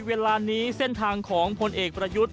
เวลานี้เส้นทางของพลเอกประยุทธ์